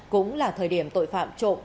cũng là thời điểm tội phạm trộm